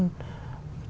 để chúng ta có đủ